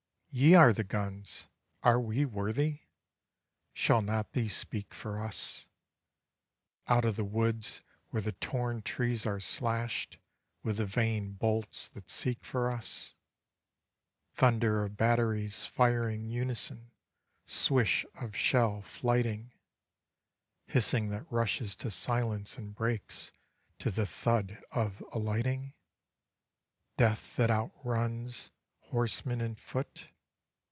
_ Ye are the guns! Are we worthy? Shall not these speak for us, Out of the woods where the torn trees are slashed with the vain bolts that seek for us, Thunder of batteries firing in unison, swish of shell flighting, Hissing that rushes to silence and breaks to the thud of alighting? Death that outruns _Horseman and foot?